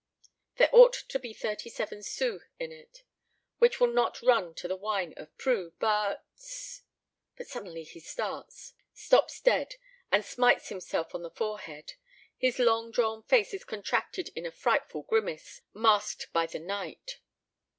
There ought to be thirty seven sous in it, which will not run to the wine of Prou, but But suddenly he starts, stops dead, and smites himself on the forehead. His long drawn face is contracted in a frightful grimace, masked by the night.